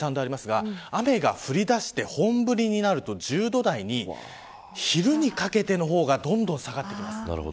２２、２３度ありますが雨が降りだして本降りになると１０度台に昼にかけての方がどんどん下がってきます。